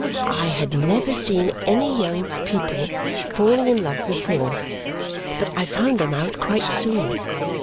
I had never seen any young people falling in love before, but I found them out quite soon.